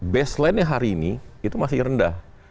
baseline nya hari ini itu masih rendah